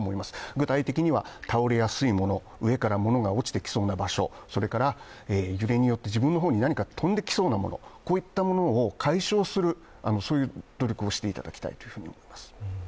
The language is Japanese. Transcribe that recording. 具体的には、倒れやすいもの、上から物が落ちてきそうな場所、それから揺れによって自分のところに飛んできそうなものこういったものを解消する努力をしていただきたいと思います。